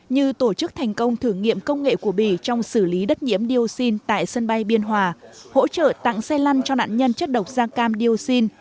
như tổ chức thành công thử nghiệm công nghệ của bỉ trong xử lý đất nhiễm dioxin tại sân bay biên hòa hỗ trợ tặng xe lăn cho nạn nhân chất độc da cam dioxin